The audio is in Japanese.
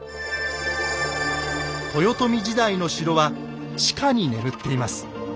豊臣時代の城は地下に眠っています。